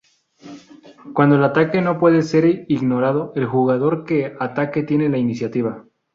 Cuando el ataque no puede ser ignorando, el jugador que ataque tiene la iniciativa.